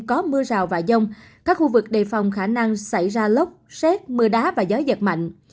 có mưa rào và dông các khu vực đề phòng khả năng xảy ra lốc xét mưa đá và gió giật mạnh